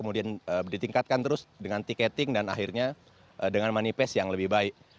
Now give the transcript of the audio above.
kemudian ditingkatkan terus dengan tiketing dan akhirnya dengan manifest yang lebih baik